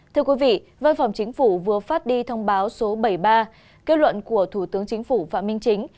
thưa quý vị văn phòng chính phủ vừa phát đi thông báo số bảy mươi ba kết luận của thủ tướng chính phủ phạm minh chính